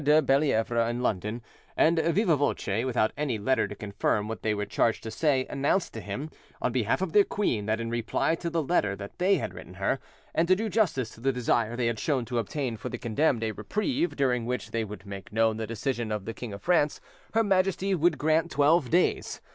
de Fellievre in London, and, viva voce, without any letter to confirm what they were charged to say, announced to him, on behalf of their queen, that in reply to the letter that they had written her, and to do justice to the desire they had shown to obtain for the condemned a reprieve during which they would make known the decision to the King of France, her Majesty would grant twelve days.